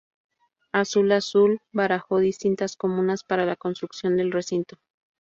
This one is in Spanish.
Azul Azul barajó distintas comunas para la construcción del recinto.